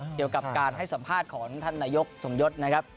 เกี่ยวกับการให้สัมภาษณ์ของท่านนายกสมยศนะครับ